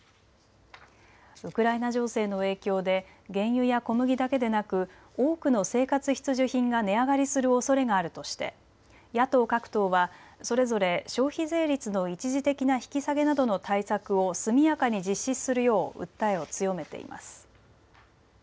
ウクライナ情勢の影響で原油や小麦だけでなく多くの生活必需品が値上がりするおそれがあるとして野党各党はそれぞれ消費税率の一時的な引き下げなどの対策を速やかに実施するよう訴えを強めています。